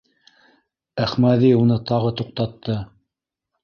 Әхмәҙи уны тағы туҡтатты: